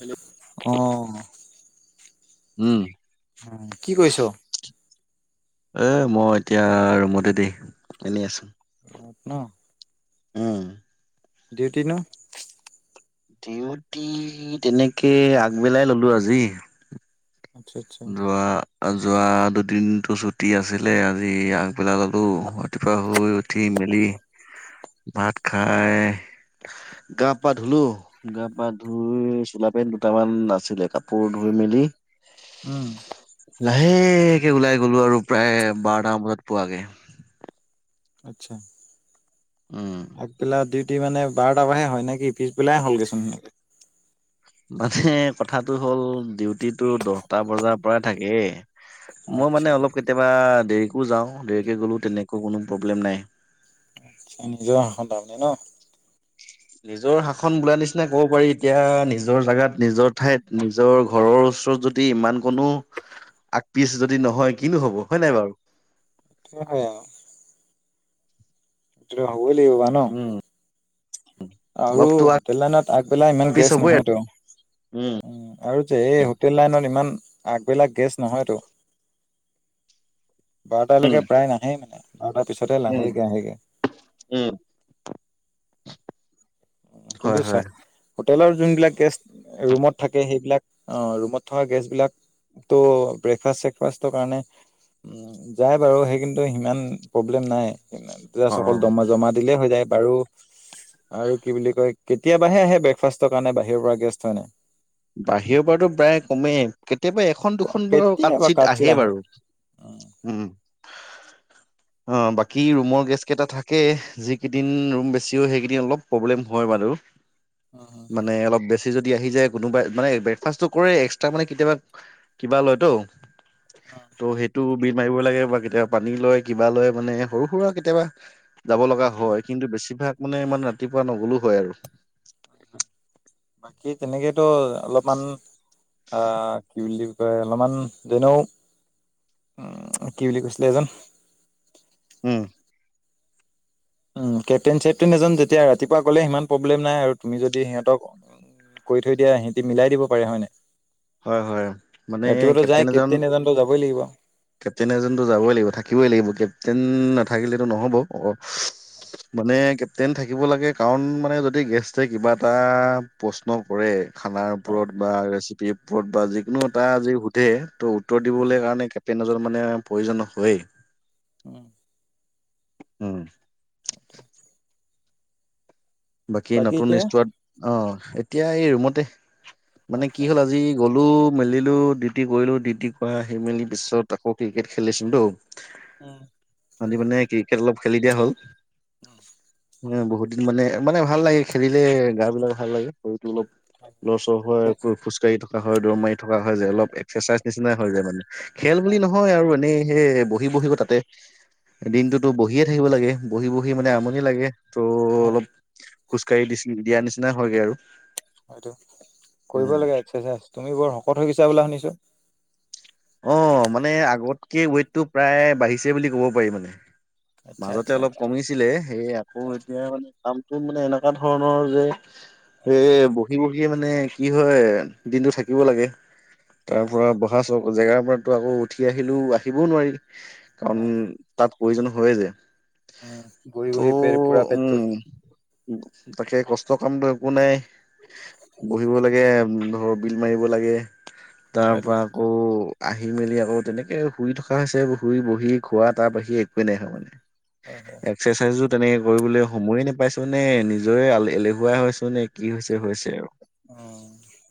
Hello. অ উম কি কৰিছ এ মই এতিয়া ৰুমতে দেই এনেই আছো অ ন উম ডিউটি ন? ডিউটি তেনেকে আগবেলাই ললো আজি। আচ্ছা আচ্ছা। যোৱা যোৱা দুদিনতো ছুটি আছিলে আজি আগবেলা ললো ৰাতিপুৱা শুই উঠি মেলি ভাত খায়, গা পা ধুলো গা পা ধুই চোলা পেনট দুটামান আছিলে কাপোৰ ধুই মেলি উম। লাহেকে ওলাই গ'লো আৰু প্ৰায় বাৰটামান বজাত পোৱাকে। আচ্ছা। উম। আগবেলা দি তে মানে বাৰটা পৰাহে হয় নে কি পিছবেলাই হলগেচোন মানে কথাটো হ'ল ডিউটিটো দহটা বজাৰ পৰা থাকেই মই আচ্ছা মানে অলপ কেতিয়াবা দেৰিকো যাওঁ দেৰিকে গ'লো তেনেকো কোনো প্ৰব্লেম নাই। আচ্ছা নিজৰ [unintelligible] ন? [unintelligible] নিজৰ শাসন বোলা নিচ মানে ক'ব পাৰি এতিয়া নিজৰ জাগাত নিজৰ ঠাইত নিজৰ ঘৰৰ ওচৰত যদি ইমান কোনো আগ পিচ যদি নহয় কিনো হ'ব হয় নাই বাৰু? [unintelligible] হয় আও। যিয়ে হ'ক [unintelligible] উম আৰু অলপতো হোটেল লাইনত আগবেলা ইমান পিছ গেষ্ট হ'বই নহয়তো উম আৰু যে এই হোটেল লাইনত ইমান আগবেলা গেষ্ট নহয়তো। বাৰটালৈকে প্ৰায় নাহে মানে বাৰটাৰ পিছতে উম লাহেকে আহেগে। উম হয় কিন্তু চা হয় হোটেলৰ যোনবিলাক গেষ্ট ৰুমত থাকে সেইবিলাক অ, ৰুমত থকা গেষ্টবিলাকতো ব্ৰেকফাষ্ট -চেকফাষ্টৰ কাৰণে উম, যায় বাৰু সেই কিন্তু সিমান প্ৰব্লেম নাই। [unintelligible] অ জাষ্ট অকল অ দমা জমা দিলে হৈ যায়। বাৰু! আৰু, কি বুলি কয়, কেতিয়াবাহে আহে ব্ৰেকফাষ্টৰ কাৰণে বাহিৰৰ পৰা গেষ্ট হয় নে। বাহিৰৰ পৰাতো প্ৰায় কমেই কেতিয়াবা এখন দুখন বাৰ কাট কেতিয়াবা চিট কাচিত আহে বাৰু! উম। অ' বাকী ৰুমৰ গেষ্ট কেইটা থাকে, যিকেইদিন ৰুম বেছি হয় সেইকেইদিন অলপ প্ৰব্লেম হয় বাৰু। মানে অলপ বেছ যদি আহি যায়। কোনোবাই মানে ব্ৰেকফাষ্টটো কৰে এক্সট্ৰা মানে কেতিয়াবা কিবা লয়তো। ত' সেইটো। বিল মাৰিব লাগে বা কেতিয়াবা পানী লয় কিবা লয় মানে সৰু-সুৰা কেতিয়াবা। যাব লগা হয়। কিন্তু বেছিভাগ মানে ইমান ৰাতিপুৱা নগলও হয় আৰু। বাকী, তেনেকেতো অলপমান অ' কি [unintelligible] অলমান যেনেও কি বুলি কৈছিলে এইজন। উম। উম, কেপ্টেইন-চেপ্টেইন এজন যেতিয়া ৰাতিপুৱা গ'লে সিমান প্ৰব্লেম নাই আৰু তুমি যদি সিহঁতক কৈ থৈ দিয়া মিলাই দিব হেতি। হয় হয়, মানে কেপ্টেইন এজন এজনতো যাবই লাগিব। কেপ্টেইন এজনতো যাবই লাগিব থাকিবই লাগিব কেপ্টেইন থাকিলেটো নহ'ব অ মানে কেপ্টেইন থাকিব লাগে কাৰণ মানে যদি গেষ্টে কিবা এটা প্ৰশ্ন কৰে খানাৰ হয়। ওপৰত বা ৰেচিপিৰ ওপৰত বা যিকোনো এটা আজি সুধে ত উ উত্তৰ উম, দিবলে কাৰণে পেনজৰ মানে প্ৰয়োজন হয়েই উম উম সেইটোৱে। বাকী নতুন ষ্টোৱাত অ এতিয়া এই ৰুমতে মানে কি আচ্ছা হ'ল আচ্ছা আজি গ'লো মেলিলো ডিউটি কৰিলো ডিউটি কৰা সি মেলি পিছত আকৌ ক্ৰিকেট খেলিছিলো তো উম, আজি মানে ক্ৰিকেট অলপ খেলি দিয়া হ'ল [unintelligible] উম বহুত দিন মানে মানে ভাল লাগে খেলিলে গা বিলাক ভাল লাগে শৰিৰ টো অলপ লৰচৰ হয় খোজকাঢ়ি থ কা হয় দৌৰ মাৰি থকা হয় যে অলপ এক্সাৰচাইজ নিচিনাই হৈ যায় মানে খেল বুলি নহয় আৰু এনে সে বহি বহিব তাতে দিনটোতো বহিয়ে থাকিব লাগে। বহি বহি মানে আমনি লাগে ত' উম, অলপ খোজকাঢ়ি দি দিয়া নিচিনা হয়গৈ আৰু। সিটো কৰিব উম লাগে এক্সাৰচাইজ তুমি বৰ শকত হৈ গৈছা বোলা শুনিছো। অ মানে আগতকে ৱেইটটো প্ৰায় বাঢ়িছে বুলি ক'ব পাৰি মানে। আচ্ছা মাজতে আচ্ছা অলপ কমিছিলে সেই আকৌ এতিয়া মানে নামটো মানে এনেকুৱা ধৰণৰ যে এ বহি বহি মানে কি হয় দিনটো থাকিব লাগে। তাৰ হয়, হয়। পৰা বহা চক জেগাৰ পৰাতো আকৌ উঠি আহিলোও আহিবও নোৱাৰি কাৰণ তাত প্ৰয়োজন হয় যে উ বহি বহি ফে পুৰা পেটটোত উ তাকে কষ্ট কাম একো নাই। বহিব লাগে। ঘৰৰ বিল মাৰিব লাগে। তাৰ হয়টো পৰা। আহি মেলি আকৌ তেনেকে শুই থকা হৈছে শুই বহি খোৱা তাৰ বাহি একোৱে নাই হয় মানে। হয় হয়। এক্সাৰচাইজ তেনেকে কৰিবলৈ সময়ে নোপাইছো নে নিজৰে এলেহুৱা হৈছ নে কি হৈছে হৈছে আৰু অ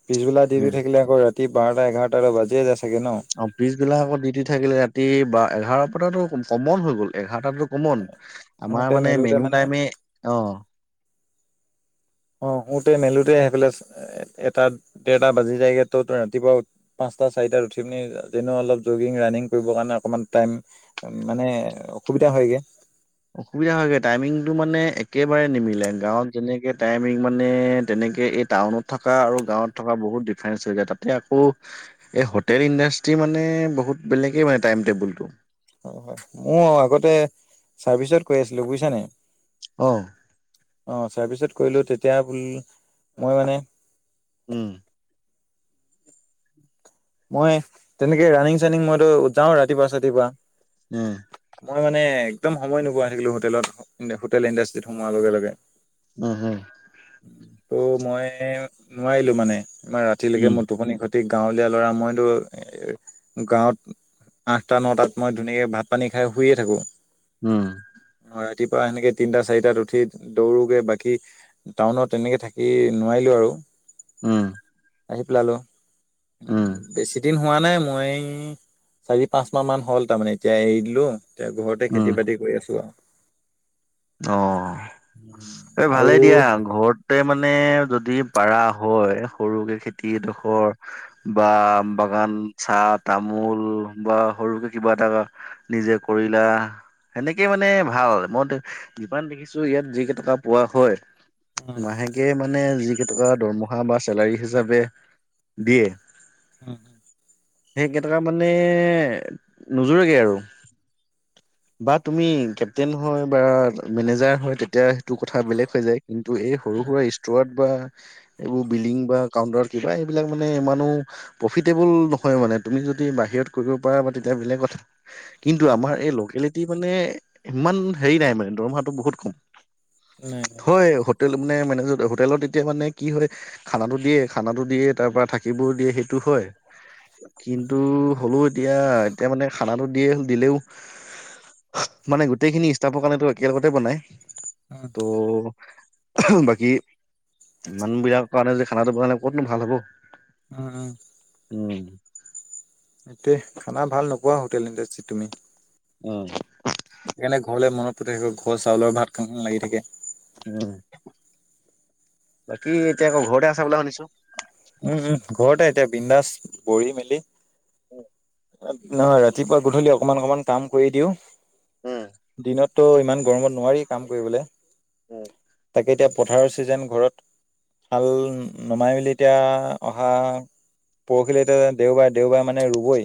পিছবেলা দিটো উম থাকিলে আকৌ ৰাতি বাৰটা এঘাৰটা ব বাজে, অ পিছ বিলাককত ডিটি থাকিলে ৰাতি বা, এঘাৰৰ পৰাো কমন হৈ গ'ল এঘাৰটাত কমন আমাৰ শুওঁতে মানে মেলোতে মেনু টাইমে অ অ সোতে মেলোতে সেইফালে এটা দেৰটা বাজি যায়গে ত ৰাতিপুৱা পাঁচটা চাৰিটাত উঠি পিনি যে অলপ জগিং ৰানিং কৰিবৰ কাৰণে অকমান টাইম মানে অসুবিধা হয়গে, অসুবিধা হয়গৈ টাইমিংটো মানে একেবাৰে নিমিলে গাঁৱত যেনেকে টাইমিং মানে তেনেকে এই টাউনত থকা আৰু গাঁৱত থকা বহুত ডিফাৰেন্ঞ্চ হৈ যায় তাতে আকৌ এই হোটেল ইণ্ডাষ্ট্ৰি মানে বহুত বেলেগেই মানে টাইম টেবুলটো, হয় হয় মোৰ আগতে চাৰ্ভিচত কৈ আছিলো বুজিছ নে, অ অ তাৰ পিছত কৰিলো তেতিয়া মই মানে উম! মই তেনেকে ৰানিিং চানিং মইতো যাওঁ ৰাতিপুৱা ৰাতিপুৱা উম! মই মানে একদম সময় নোপোৱা থাকিলো হোটেলত হোটেল ইণ্ডাষ্ট্ৰিত সোমোৱাৰ লগে লগে, উ হয় ত' মই নোৱাৰিলো মানে, মম ৰাতিলৈকে ম উম টোখননি ঘ গাওঁলীয়া লৰা মইতো গাঁৱত আঠটা নটাত মই ধুনীয়াকে ভাত পানী খাই শুইয়ে থাকো, উম! ৰাতিপুৱা সেনেকে তিনটা চাৰিটাত উঠি দৌৰো গৈ বাকী টাউনত এনেকে থাকি নোৱাৰিলো আৰু উম! আহি পেলালো উম বেছি, এদিন হোৱা নাই মই চাৰি পাঁচ মাহ মান হ'ল তাৰমানে এতিয়া এৰি দিলো। এতিয়া ঘৰতে খেতি উম বাতি কৰি আছো আৰু অ এই আৰু ভালেই দিয়া ঘৰতে মানে মানে যদি পাৰা হয় সৰুকে খেতিডখৰ বা বাগান চাহ তামোল বা সৰুকে কিবা এটা নিজে কৰিলা সেনেকে মানে ভাল মই, যিপমান দেখিছো ইয়াত যি কেইটকা পোৱা হয়। আৰু মাহেকে মানে যি কেইটা, তাৰপা দৰমহা বা চেলাৰী হিচাপে দিয়ে। হম। সেই কেইটকা মানে নোযোৰেগে আৰু। বা তুমি কেপ্তেইন হয় বা মেনেজাৰ হয় তেতিয়া সেইটো কথা বেলেগ হৈ যায়। কিন্তু এই সৰু-সুৰা ষ্ট্ৰ'ৰত। বা এইবোৰ বিলিং বা কাউন্টাৰত কিবা এইবিলাক মানে ইমানো প্ৰফিটেবল নহয় মানে, তুমি যদি বাহিৰত কৰিব পাৰা বা তেতিয়া বেলেগ কথা কিন্তু, আমাৰ এই ল মানে ইমান হেৰি নাই মানে, দৰমহাটো বহুত কম। নাই নাই হয়, হোটেল মানে-মানে হোটেলত এতিয়া মানে কি হয়, খানাটো দিয়ে, খানাটো দিয়ে তাৰ পৰা থাকিবয়ো দিয়ে সেইটো হয়। কিন্তু হ'লও এতিয়া, এতিয়া মানে খানাটো দিয়ে, দিলেও মানে গোটেইখিনি ইষ্টাফৰ কাৰণেটো একেলগতে বনাই। উম ত' বাকী ইমান বিলাকৰ কাৰণে যে, খানাটো বনে ক'তোনো ভাল হ'ব? উম, উম। উম। সেইটোৱে খানা ভাল নোপোৱা হোটেল ইণ্ডাষ্ট্ৰীত তুমি অ'। সেইকাৰণে ঘৰলৈ মনত পৰি থাকিব, ঘৰৰ চাউলৰ ভাত খাম লাগি থাকে। উম। বাকী এতিয়া আকৌ ঘৰতে আছা বোলে শুনিছোঁ। উম, উম, ঘৰতে এতিয়া বিন্দাছ বহি, মেলি [unintelligible] নহয় ৰাতিপুৱা গধূলি অকমান-অকমান কাম কৰি দিওঁ উম, দিনত তো ইমান গৰমত নোৱাৰি কাম কৰিবলে। তাকে এতিয়া পথাৰৰ ছিজন ঘৰত হাল নমাই মেলি এতিয়া অহা পৰহিলৈ এতিয়া দেওবাৰে-দেওবাৰে মানে মানে ৰুবই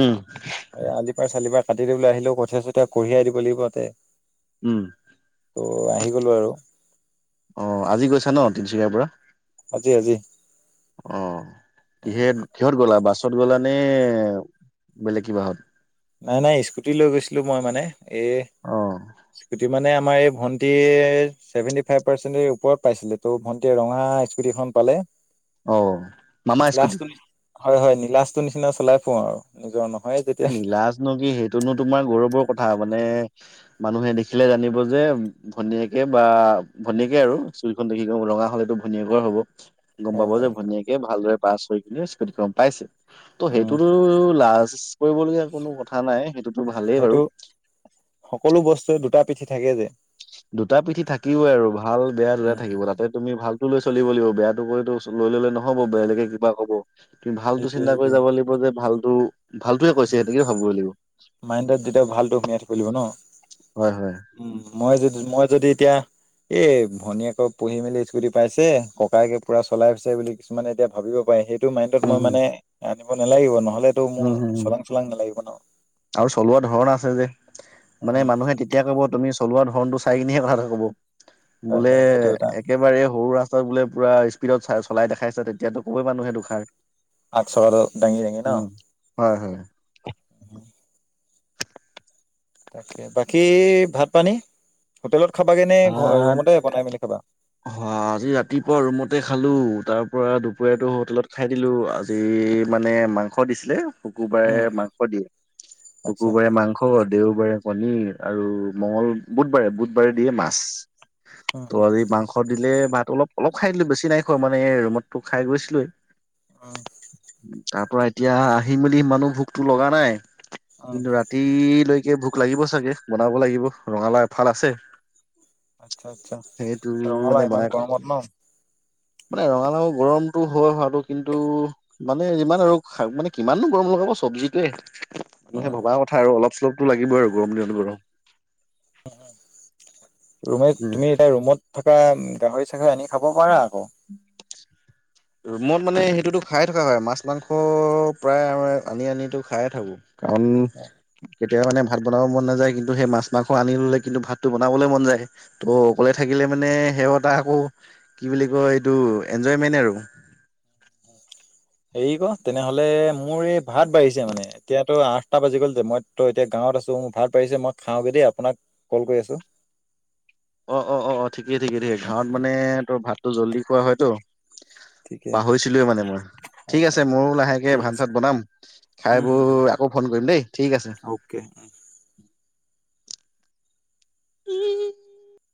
উম। কিবা কাটি দিবলৈ আহিলেও কঠীয়া চঠীয়া কঢ়িয়াই দিব লাগিব তাতে উম। ত' আহি গলোঁ আৰু অ আজি গৈছা ন তিনচুকীয়াৰ পৰা? জি আজি অ কিহে কিহত গ'লা বাছ? বাছত গ'লানে বেলেগ কিবাহত? নাই নাই স্কুটি লৈ গৈছিলোঁ মই মানে এ অ', স্কুটি মানে আমাৰ এই ভন্টি চছেভেন্টি ফাইভ পাৰ্চেন্ট ওপৰত পাইছিলে ত' ভন্টিয় ৰঙা স্কুটিখন পালে অ'। মামা স্কুটি, নীলাচটো হয় হয় নীলাচ বস্তু নিচিনা চলাই পোৱাওঁ আৰু নিজৰ ন হয় তেতিয়া ন কি সেইটোনো তোমাৰ গৌৰৱৰ কথা মানে মানুহে দেখিলে জানিব যে ভনীয়েকে বা ভনীয়েকে আৰু ইস্কুটি খন দেখি গ ৰঙা হলেটো ভনীয়েকৰ হব গম হয় পাব যে হয় ভনিয়েকে ভালদৰে পাছ হৈ কি নে স্কুটি খন পাইছে ত উম সেইটোতো লাজ কৰিবলগীয়া কোনো কথা নাই সেইটোতো ভালেই বাৰু। সেইটো সকলো বস্তুৱে দুটা পিঠি থাকে যে দুটা পিঠি থাকিবই আৰু ভাল বেয়া দুটা উম থাকিব তাতে তুমি ভাল লৈ চলিব লাগিব বেয়াটোো কৰিতো লৈ ললে নহব বেলেগে কিবা কব কি ভালতটো সেইটোয়ে চিন্তা কৰি সেইটোয়ে যাব লাগিব যে ভাল ভালটোৱেই কৈছে সেইতোকে ভাবিবই লাগিব মেঠ পৰিব ন হয় হয় উম মই যদি মই যদি এতিয়া এ ভনীয়েক পঢ়ি মেলি স্কুটি পাইছে ককায়েকে পুৰা চলাইছে বুলি কিছুমানে এতিয়া ভাবিব পাৰে সেই মা ইনডত উম মই হুম মানে এ নিব নালাগিব নহ'লে তেতো মোৰ উম হুম হুম চলাং চলাং নালাগিব ন আৰু চলোৱা [unintelligible] মানে উম মানুহে তেতিয়া কব তুমি চলোৱা ধৰণটো চাই কিনিহে কথা কব হয় বোলে হয় সেইটো এটা একেবাৰে সৰু আছে বোলে পুৰা স্পীডত চলাই দেখাইছে তেতিয়াতো কবেই মানুহে দুখাৰ আঠ চাকাটো দাঙি দাঙি ন হয় হয় তাকে বাকী ভাত পানী হোটেলত খাবাগে নে ঘ ভাত ৰুমতে বনাই মেলি খাবা আকৌ ৰুমতে খালোঁ তাৰ পৰাৰা দুপৰীয়টো হোটেলত খাই দিলোঁ আজি মানে মাংস দিছিলে শুকুৰবাৰে উম মাংস দিয়ে আচ্ছা শুকুৰবাৰে মাংস দেওবাৰে কনিৰ আৰু মঙ্ল বুধবাৰে বুধবাৰে দিয়ে মাছ। উম উম তি মাংস দিলে ভাল অলপ অলপ খাই দিলো বেছি নাই খ মানে ৰুমতটো খাই গৈছিলোৱেই। উম তাৰ পৰা এতিয়া আহি মেলি সিমানও ভোকতো লগা নাই। উম কিন্তু ৰাতিলৈ লৈকে ভোক লাগিব চাগে বনাব লাগিব ৰঙালাও এফাল আছে। আচ্ছা আচ্ছা সেইটো মানে ৰঙালাও বনাই ইমান গৰমত ন। মানে ৰঙাালাঙও গৰমতটো হয় আৰু কিন্তু মানে যিমান আৰু মানে কিমানো গৰম লগাব চব্জিটোয়ে উম মানুহে ভবা কথা আৰু অলপ। অলপ চলপ টো লাগিবই আৰু গৰম দিনত গৰম মম মম ৰুমে উম তুমি এতিয়া ৰুমত থাকা গাহৰি চাহৰি আনি খাব পাৰো আকৌ ৰুমত মানে সেইটোতো খাই থকা হয় মাছ মাংস প্ৰায় আম আনি আনি টো খাইে থাকো। কাৰণ তেতিয়া মানে ভাত বনাব মন নাযায় কিন্তু সেই মাছ মাংস আনি ল'লে কিন্তু ভাতটো বনাবলৈ মন যায়। ত' অকলে থাকিলে মানে সেৱ এতা আকৌ কি বুলি কয় এইটো এনজয়মেণ্ট আৰু হেৰি ক তেনেহলে মোৰ এই ভাত বাঢ়িছে মানে এতিয়াত তো আঠটা বাজি গ'ল যে মই তো এতিয়া গাঁৱত আছো মোৰ ভাত বাঢ়িছে মই খাওগে দেই আপোনাক কল কৰি আছো অ অ অ অ ঠিকেই ঠিকেই ঠিকে গাঁৱত মানে তোৰ ভাত জল্দি খোৱা হয়তো ঠিকে পাহৰিছিলোয়ে মানে মই ঠিক হয় আছে হয় ময়ো লাহেকে ঠিক ভান আছে চাত বনাম খাই উম উম উম বোই আকৌ ফোন কৰিম দেই ঠিক আছে। অ'কে [unintelligible]